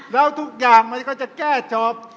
แล้วทุกอย่างมันก็จะแก้จบ